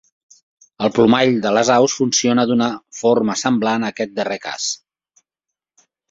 El plomall de les aus funciona d'una forma semblant a aquest darrer cas.